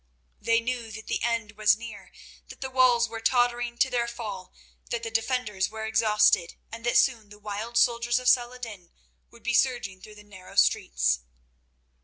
They knew that the end was near, that the walls were tottering to their fall, that the defenders were exhausted, and that soon the wild soldiers of Saladin would be surging through the narrow streets.